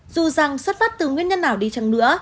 dù rằng xuất phát từ nguyên nhân nào đi chăng nữa